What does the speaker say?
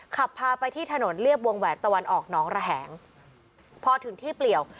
ขับพาไปที่ถนนเรียบวงแหวนตะวันออกน้องระแหงพอถึงที่เปลี่ยว